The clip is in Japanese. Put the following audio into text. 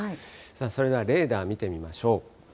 それではレーダー見てみましょう。